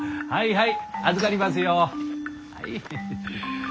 はい。